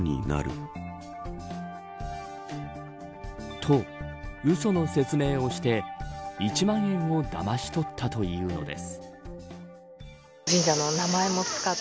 と、うその説明をして１万円をだまし取ったというのです。